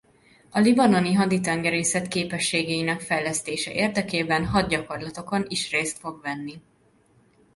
A libanoni haditengerészet képességeinek fejlesztése érdekében hadgyakorlatokon is részt fog venni.